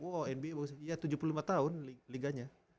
wah nba bagus ya tujuh puluh lima tahun liganya